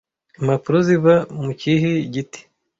Impapuro ziva mu kihi giti